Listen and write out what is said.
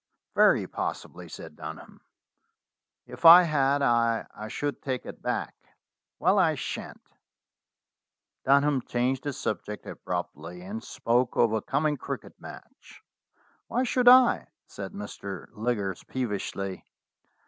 "Very possibly," said Dunham. "If I had I should take it back." "Well, I shan't." Dunham changed the subject abruptly, and spoke of a coming cricket match. "Why should I ?" said Mr. Liggers peevishly.